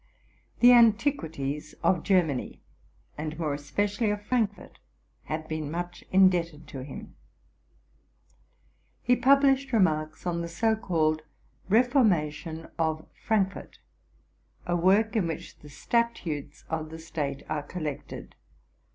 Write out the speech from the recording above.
The antiquities of Germany, and more especially of Frankfort, have been much indebted to him: he published remarks on the so called '' Reformation of Frankfort,''? a work in which the statutes of the state are collected.